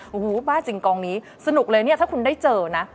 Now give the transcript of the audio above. โอ้โหบ้าจริงกองนี้สนุกเลยเนี่ยถ้าคุณได้เจอนะ